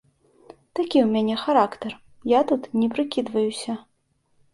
Такі ў мяне характар, я тут не прыкідваюся.